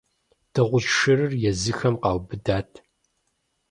Дыгъужь шырыр езыхэм къаубыдат.